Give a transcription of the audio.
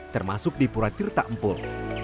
termasuk di pura tirta empul